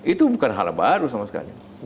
itu bukan hal baru sama sekali